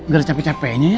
gak ada capek capeknya ya